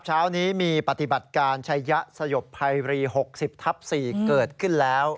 เช้านี้มีปฏิบัติการชัยยะสยบภัยรี๖๐ทับ๔เกิดขึ้นแล้ว